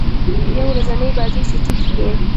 یو ورځنۍ بازۍ چټکي يي.